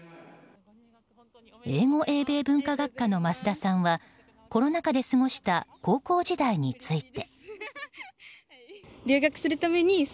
英語英米文化学科の増田さんはコロナ禍で過ごした高校時代について。